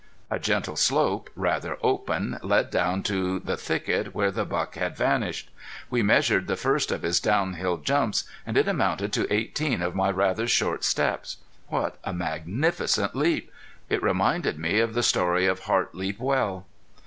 A gentle slope, rather open, led down to the thicket where the buck had vanished. We measured the first of his downhill jumps, and it amounted to eighteen of my rather short steps. What a magnificent leap! It reminded me of the story of Hart leap Well.